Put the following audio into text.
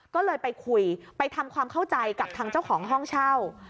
ก็เลยไปคุยไปทำความเข้าใจกับทางเจ้าของห้องเช่า